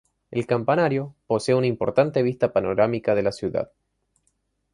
El campanario posee una importante vista panorámica de la ciudad.